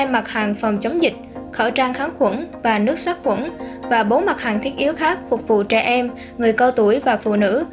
hai mặt hàng phòng chống dịch khẩu trang kháng khuẩn và nước sát khuẩn và bốn mặt hàng thiết yếu khác phục vụ trẻ em người cao tuổi và phụ nữ